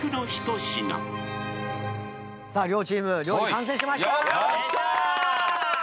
さあ両チーム料理完成しました。